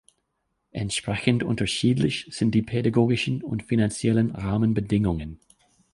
Entsprechend unterschiedlich sind die pädagogischen und finanziellen Rahmenbedingungen.